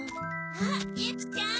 あっユキちゃん。